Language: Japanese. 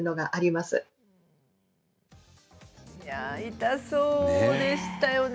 痛そうでしたよね。